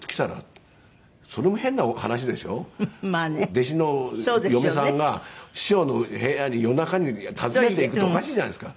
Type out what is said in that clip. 弟子の嫁さんが師匠の部屋に夜中に訪ねていくっておかしいじゃないですか。